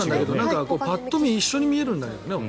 パッと見一緒に見えるんだけどね、俺。